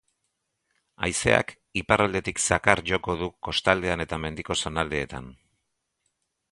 Haizeak iparraldetik zakar joko du kostaldean eta mendiko zonaldeetan.